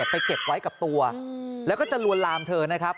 ไปเก็บไว้กับตัวแล้วก็จะลวนลามเธอนะครับ